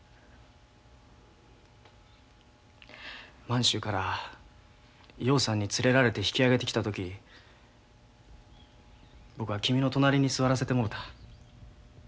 満州から陽さんに連れられて引き揚げてきた時僕は君の隣に座らせてもろた。